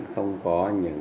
không có những